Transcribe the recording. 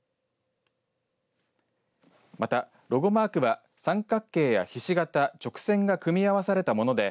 また、ロゴマークは三角形やひし形直線が組み合わされたもので